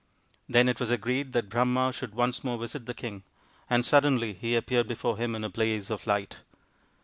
Then it was agreed that Brahma should once more visit the king, and suddenly he appeared before him in a blaze of light.